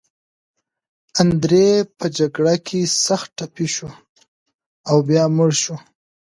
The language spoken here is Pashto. اندرې په جګړه کې سخت ټپي شو او بیا مړ شو.